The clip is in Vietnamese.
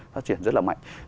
phát triển rất là mạnh